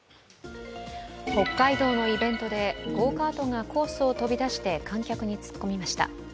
北海道のイベントでゴーカートがコースを飛び出して観客に突っ込みました。